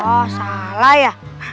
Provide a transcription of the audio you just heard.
oh salah ya